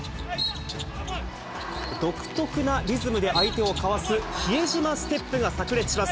独特なリズムで相手をかわす比江島ステップがさく裂します。